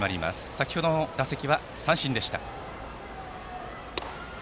先程の打席は三振でした。